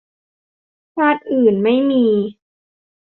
ชาติอื่นไม่มี